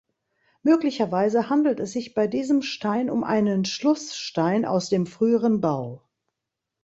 Möglicherweise handelt es sich bei diesem Stein um einen Schlussstein aus dem früheren Bau.